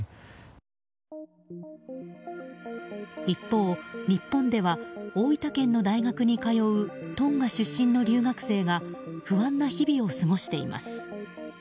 一方、日本では大分県の大学に通うトンガ出身の留学生が不安な日々を過ごしています。